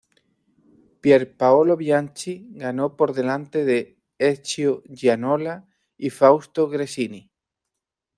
Pier Paolo Bianchi ganó por delante de Ezio Gianola y Fausto Gresini.